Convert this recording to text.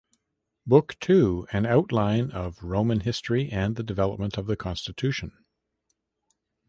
Book two: An outline of Roman history and the development of the constitution.